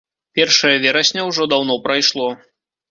Першае верасня ўжо даўно прайшло.